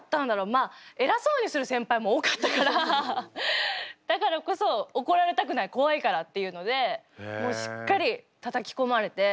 まあ偉そうにする先輩も多かったからだからこそ怒られたくない怖いからっていうのでもうしっかりたたきこまれて。